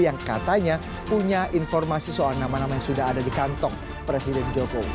yang katanya punya informasi soal nama nama yang sudah ada di kantong presiden jokowi